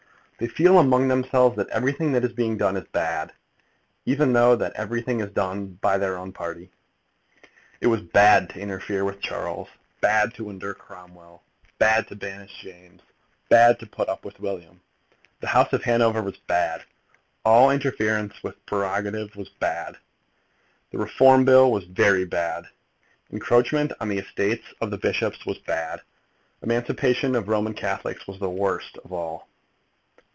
They feel among themselves that everything that is being done is bad, even though that everything is done by their own party. It was bad to interfere with Charles, bad to endure Cromwell, bad to banish James, bad to put up with William. The House of Hanover was bad. All interference with prerogative has been bad. The Reform bill was very bad. Encroachment on the estates of the bishops was bad. Emancipation of Roman Catholics was the worst of all.